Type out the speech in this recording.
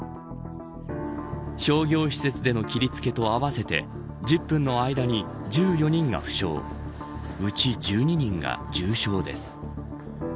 商業施設での切りつけと合わせて１０分の間に１４人が負傷うち１２人が重傷です。